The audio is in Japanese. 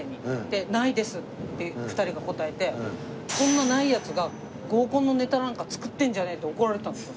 でないですって２人が答えてそんなないやつが合コンのネタなんか作ってんじゃねえって怒られたんです。